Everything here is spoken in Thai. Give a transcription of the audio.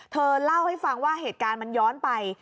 เธอเล่าให้ฟังว่าเหตุการณ์มันย้อนไป